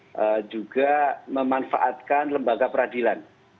juga memanfaatkan lembaga peradilan